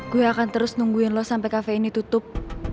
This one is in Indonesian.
gue akan terus nungguin lo sampai kafe ini tutup